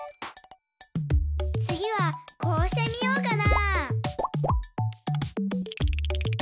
つぎはこうしてみようかな？